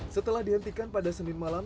setelah dihentikan pada senin malam